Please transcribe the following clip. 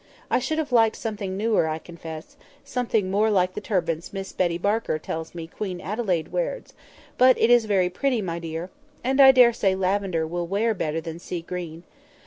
I should have liked something newer, I confess—something more like the turbans Miss Betty Barker tells me Queen Adelaide wears; but it is very pretty, my dear. And I dare say lavender will wear better than sea green.